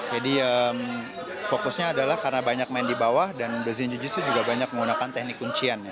jadi fokusnya adalah karena banyak main di bawah dan brazilian jiu jitsu juga banyak menggunakan teknik kuncian